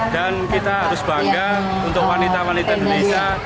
dan kita harus bangga untuk wanita wanita indonesia